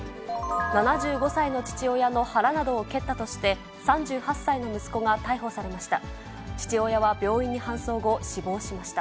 ７５歳の父親の腹などを蹴ったとして、３８歳の息子が逮捕されました。